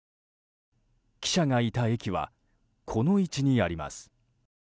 記者がいた駅はこの位置にあります。